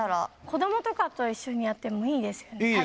子供とかと一緒にやってもいいですよね